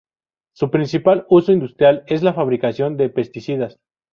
Su principal uso industrial es la fabricación de pesticidas.